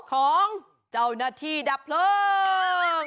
ของเจ้าหน้าที่ดับเพลิง